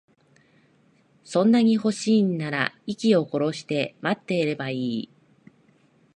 そんなに欲しいんなら、息を殺して待ってればいい。